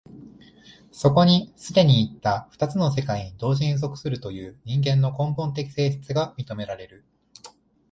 そこに既にいった二つの社会に同時に属するという人間の根本的性質が認められる。